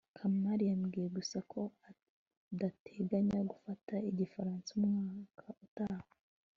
kamali yambwiye gusa ko adateganya gufata igifaransa umwaka utaha